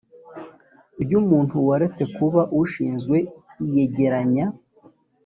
ry umuntu waretse kuba ushinzwe iyegeranya